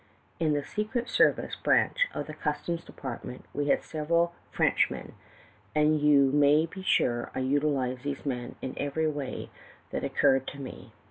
"In the secret service branch of the customs department we had several Frenchmen, and you may be sure I utilized these men in every way that occurred to me.